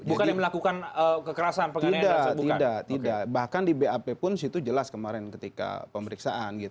bukan melakukan kekerasan tidak tidak bahkan di bap pun situ jelas kemarin ketika pemeriksaan